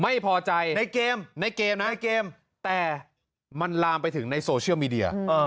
ไม่พอใจในเกมในเกมนะในเกมแต่มันลามไปถึงในโซเชียลมีเดีย